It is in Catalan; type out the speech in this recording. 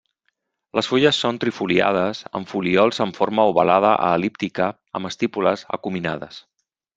Les fulles són trifoliades amb folíols amb forma ovalada a el·líptica, amb estípules acuminades.